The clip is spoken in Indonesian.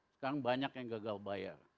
sekarang banyak yang gagal bayar